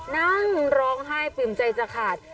นั่งร้องไห้ปริ่มใจจะขาด